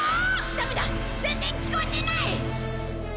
ダメだ全然聞こえてない！